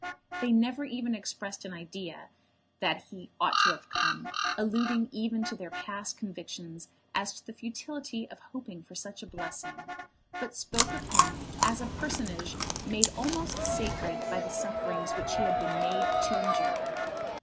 They never even expressed an idea that he ought to have come, alluding even to their past convictions as to the futility of hoping for such a blessing; but spoke of him as a personage made almost sacred by the sufferings which he had been made to endure.